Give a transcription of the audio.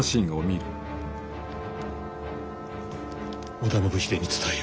織田信秀に伝えよ。